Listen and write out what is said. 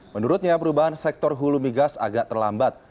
menurutnya perubahan sektor hulu migas agak terlambat